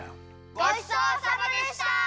ごちそうさまでした！